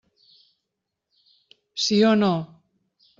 Sí o no?